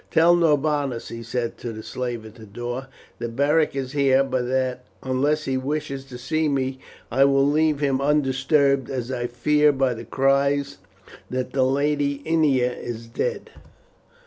"Tell Norbanus," he said to the slave at the door, "that Beric is here, but that unless he wishes to see me I will leave him undisturbed, as I fear by the cries that the Lady Ennia is dead."